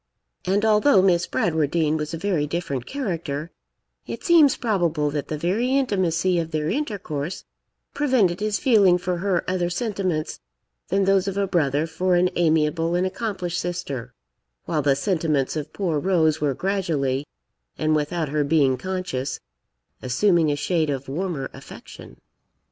And although Miss Bradwardine was a very different character, it seems probable that the very intimacy of their intercourse prevented his feeling for her other sentiments than those of a brother for an amiable and accomplished sister; while the sentiments of poor Rose were gradually, and without her being conscious, assuming a shade of warmer affection.